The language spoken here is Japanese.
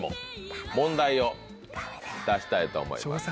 ダメだよ。出したいと思います。